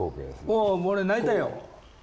おお俺泣いたよ。